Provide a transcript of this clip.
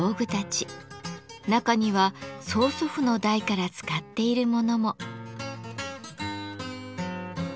中には曽祖父の代から使っているものも。